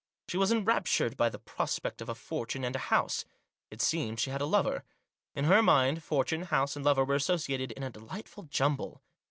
She was enraptured by the prospect of a fortune and a house. It seemed she had a lover. In her mind, fortune, house, and lover were associated in a delightful jumble.